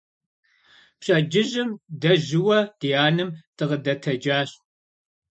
Пщэдджыжьым дэ жьыуэ ди анэм дыкъыдэтэджащ.